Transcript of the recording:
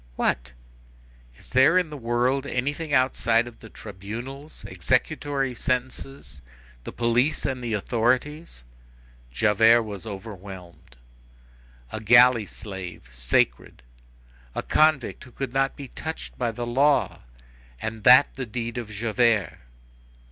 What? Is there in the world, anything outside of the tribunals, executory sentences, the police and the authorities? Javert was overwhelmed. A galley slave sacred! A convict who could not be touched by the law! And that the deed of Javert!